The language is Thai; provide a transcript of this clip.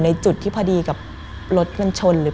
มันกลายเป็นรูปของคนที่กำลังขโมยคิ้วแล้วก็ร้องไห้อยู่